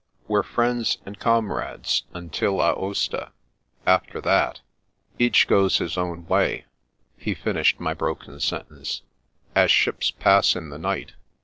" We're friends and comrades — ^until Aosta. After that "" Each goes his own way," he finished my broken sentence; "as ships pass in the night.